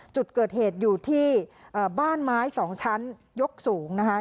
จุดเกิดเหตุอยู่ที่บ้านไม้๒ชั้นยกสูงนะคะ